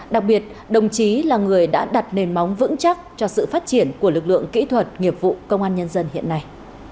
đặc biệt đồng chí là người đã đặt nền móng vững chắc cho sự phát triển của lực lượng kỹ thuật nghiệp vụ công an nhân dân hiện nay